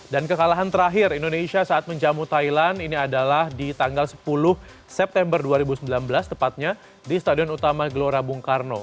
dan kekalahan terakhir indonesia saat menjamu thailand ini adalah di tanggal sepuluh september dua ribu sembilan belas tepatnya di stadion utama gelora bung karno